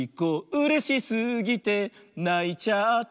「うれしすぎてないちゃった」